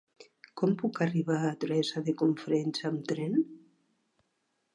Com puc arribar a Teresa de Cofrents amb tren?